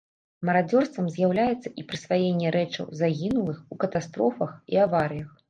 Марадзёрствам з'яўляецца і прысваенне рэчаў загінулых у катастрофах і аварыях.